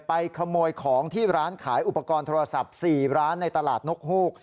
ขโมยของที่ร้านขายอุปกรณ์โทรศัพท์๔ร้านในตลาดนกฮูก